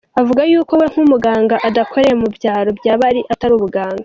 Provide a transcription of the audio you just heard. Avuga yuko we nk’umuganga adakoreye mu byaro byaba ari atari ubuganga !